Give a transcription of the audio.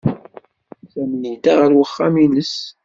Sami yedda ɣer uxxam-nnes.